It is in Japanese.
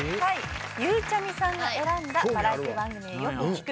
ゆうちゃみさんが選んだ「バラエティ番組でよく聴く曲」